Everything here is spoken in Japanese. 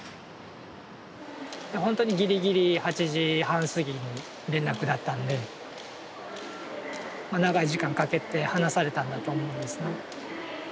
ほんとにギリギリ８時半過ぎに連絡だったんでまあ長い時間かけて話されたんだと思うんですね。